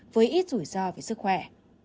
với ít rủi ro về sức khỏe